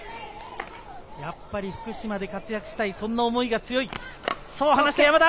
やっぱり福島で活躍したい、そんな思いが強い、そう話した山田。